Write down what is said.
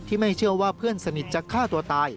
ไม่เชื่อว่าเพื่อนสนิทจะฆ่าตัวตาย